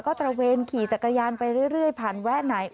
ก็ตระเวนขี่จักรยานไปเรื่อยผ่านแวะไหน